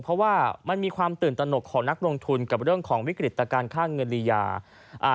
เพราะว่ามันมีความตื่นตนกของนักลงทุนกับเรื่องของวิกฤตการณ์ค่าเงินรียาอ่า